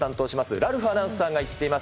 ラルフアナウンサーが行っています。